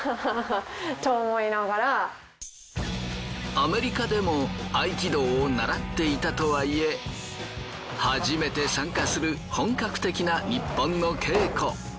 アメリカでも合気道を習っていたとはいえ初めて参加する本格的なニッポンの稽古。